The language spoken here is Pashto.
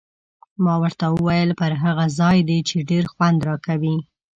ما ورته وویل: پر هغه ځای دې، چې ډېر خوند راکوي.